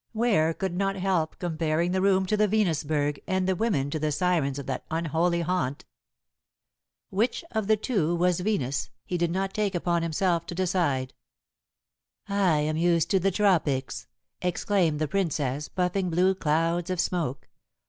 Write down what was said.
Ware could not help comparing the room to the Venusberg, and the women to the sirens of that unholy haunt. Which of the two was Venus he did not take upon himself to decide. "I am used to the tropics," explained the Princess, puffing blue clouds of smoke.